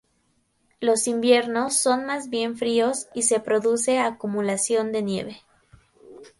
Los inviernos son más bien fríos y se produce acumulación de nieve.